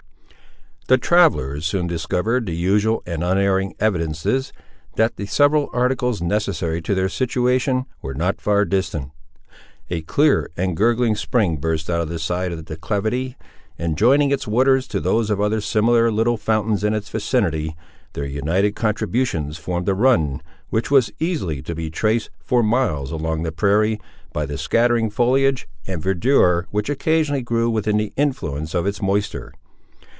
The travellers soon discovered the usual and unerring evidences that the several articles necessary to their situation were not far distant. A clear and gurgling spring burst out of the side of the declivity, and joining its waters to those of other similar little fountains in its vicinity, their united contributions formed a run, which was easily to be traced, for miles along the prairie, by the scattering foliage and verdure which occasionally grew within the influence of its moisture.